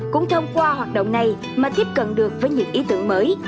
cũng thông qua hoạt động này mà tiếp cận được với những ý tưởng mới